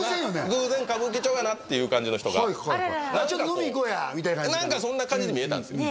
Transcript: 偶然歌舞伎町やなっていう感じの人が「ちょっと飲みいこうや」みたいな何かそんな感じに見えたんですよ